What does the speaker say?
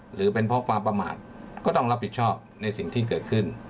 หรือเป็นเพราะความประมาทก็ต้องรับผิดชอบในสิ่งที่เกิดขึ้น